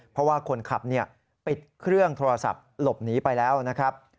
เพราะว่าคนขับปิดเครื่องโทรศัพท์หลบหนีไปแล้วนะครับ